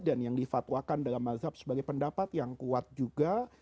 dan yang difatwakan dalam mazhab sebagai pendapat yang kuat juga